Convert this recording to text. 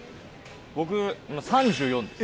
僕今３４です。